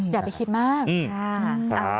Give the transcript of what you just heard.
อย่าไปคิดมาก